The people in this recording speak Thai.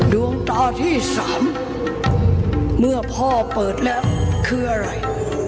ดวงตาที่๓เมื่อพ่อเปิดแล้วคืออะไร